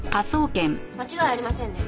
間違いありませんね。